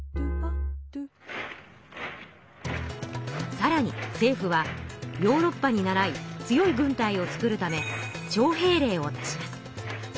さらに政府はヨーロッパにならい強い軍隊を作るため徴兵令を出します。